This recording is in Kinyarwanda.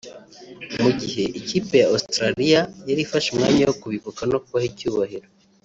Mugihe ikipe ya Australian yari ifashe umwanya wo ku bibuka no kubaha icyubahiro